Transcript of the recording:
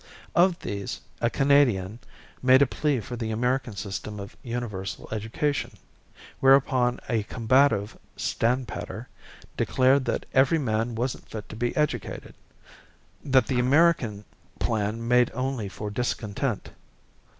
Of these, a Canadian made a plea for the American system of universal education, whereupon a combative "stand patter" declared that every man wasn't fit to be educated, that the American plan made only for discontent.